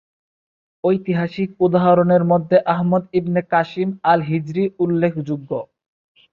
ঐতিহাসিক উদাহরণের মধ্যে আহমদ ইবনে কাসিম আল-হিজরি উল্লেখযোগ্য।